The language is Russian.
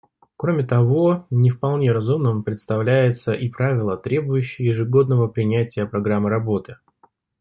Кроме того, не вполне разумным представляется и правило, требующее ежегодного принятия программы работы.